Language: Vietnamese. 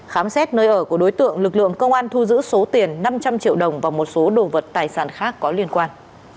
khám xét nơi ở của đối tượng lực lượng công an thu giữ số tiền năm trăm linh triệu đồng và một số đồ vật tài sản khác có liên quan